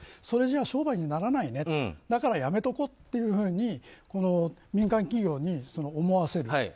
それじゃ商売にならないねだからやめとこうというふうに民間企業に思わせる。